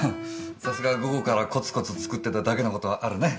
さすが午後からコツコツ作ってただけの事はあるね。